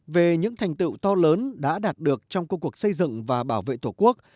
về những thành tựu to lớn đã đạt được trong công cuộc xây dựng và bảo vệ tổ quốc